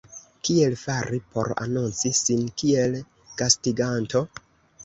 Kiel fari por anonci sin kiel gastiganto?